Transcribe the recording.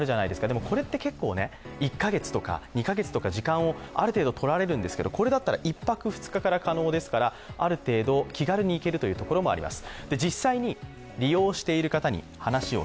でも、これって１か月とか２か月とかある程度とられるんですけどこれだと１泊２日から可能ですからある程度、気軽に行けるというところもあります。